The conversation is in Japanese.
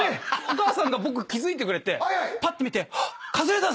お母さんが僕気付いてくれてぱって見て。